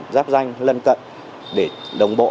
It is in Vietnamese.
giáp danh lân cận để đồng bộ